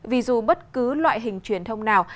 vì dù bất cứ loại hình truyền thông nào